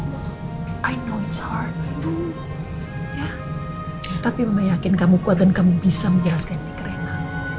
aku tahu itu sulit tapi memang yakin kamu kuat dan kamu bisa menjelaskan ini ke rena